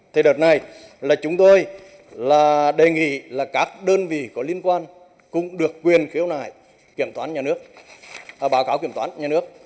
thì đợt này là chúng tôi là đề nghị là các đơn vị có liên quan cũng được quyền khiếu nại kiểm toán nhà nước báo cáo kiểm toán nhà nước